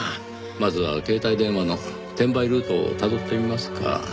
まずは携帯電話の転売ルートをたどってみますか。